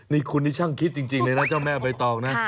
นี่คุณนี่ช่างคิดจริงเลยนะเจ้าแม่ใบตองนะ